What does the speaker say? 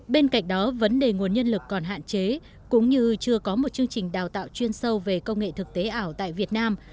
bên cạnh đó vấn đề nguồn nhân lực còn hạn chế cũng như chưa có một chương trình đào tạo chuyên sâu về công nghệ thực tế ảo tại việt nam